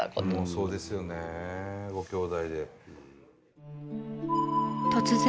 そうですよねごきょうだいで。